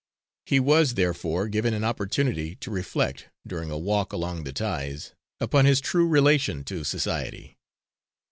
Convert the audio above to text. He was therefore given an opportunity to reflect, during a walk along the ties, upon his true relation to society.